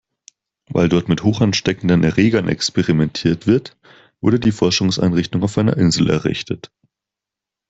Weil dort mit hochansteckenden Erregern experimentiert wird, wurde die Forschungseinrichtung auf einer Insel errichtet.